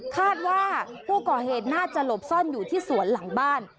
คาดว่าผู้ก่อเหตุน่าจะหลบซ่อนอยู่ที่สวนหลังบ้าน